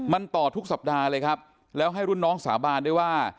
มันต่อทุกสัปดาห์เลยครับแล้วให้รุ่นน้องสาบานด้วยว่า